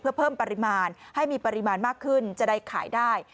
เพื่อเพิ่มปริมาณให้มีปริมาณมากขึ้นจะได้ขายได้